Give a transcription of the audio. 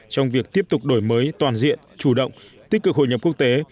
trong việc tiếp tục đổi mới toàn diện chủ động tích cực hội nhập quốc tế